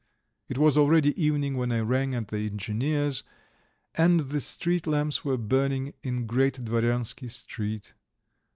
It was already evening when I rang at the engineer's, and the street lamps were burning in Great Dvoryansky Street.